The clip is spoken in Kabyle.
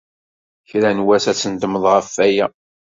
Kra n wass, ad tnedmem ɣef waya.